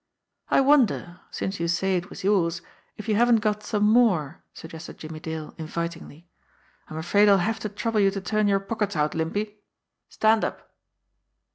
"I wonder since you say it was yours if you haven't got some more," suggested Jimmie Dale invitingly. "I'm afraid I'll have to trouble you to turn your pockets out, Limpy. Stand up!"